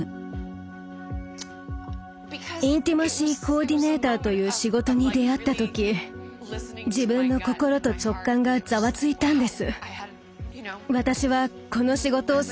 インティマシー・コーディネーターという仕事に出会った時自分の心と直感がざわついたんです。